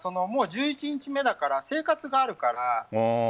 もう１１日目だから生活があるから。